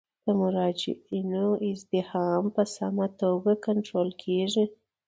د مراجعینو ازدحام په سمه توګه کنټرول کیږي.